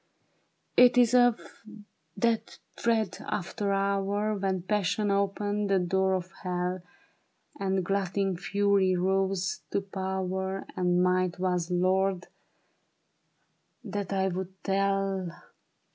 It is of that dread after hour When passion oped the door of hell, And glutting fury rose to power, And might was lord, that I would tell.